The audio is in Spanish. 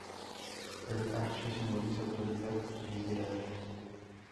El hacha simboliza autoridad y liderazgo.